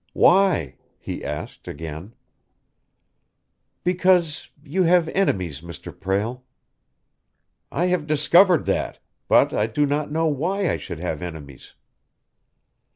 "Why?" he asked, again. "Because you have enemies, Mr. Prale!" "I have discovered that; but I do not know why I should have enemies."